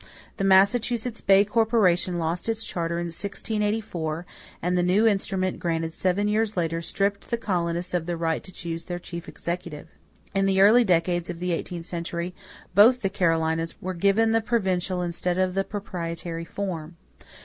The Massachusetts Bay corporation lost its charter in 1684, and the new instrument granted seven years later stripped the colonists of the right to choose their chief executive. In the early decades of the eighteenth century both the Carolinas were given the provincial instead of the proprietary form.